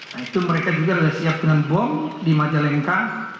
nah itu mereka juga sudah siap dengan bom di majalengka